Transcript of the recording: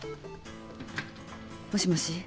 もしもし。